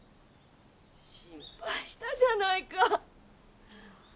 心配したじゃないか。